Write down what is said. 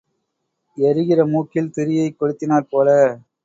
எரிகிற மூக்கில் திரியைக் கொளுத்தினாற் போல.